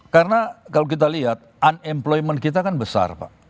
karena kalau kita lihat unemployment kita kan besar pak